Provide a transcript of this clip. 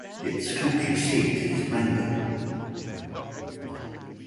Its county seat is Mangum.